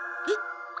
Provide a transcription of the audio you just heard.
えっ？